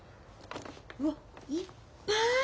うわっいっぱい！